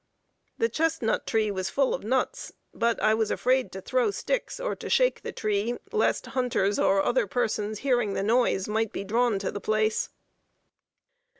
The chestnut tree was full of nuts, but I was afraid to throw sticks or to shake the tree, lest hunters or other persons hearing the noise, might be drawn to the place.